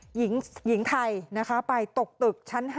หญิงไทยไปปิดตุกชั้น๕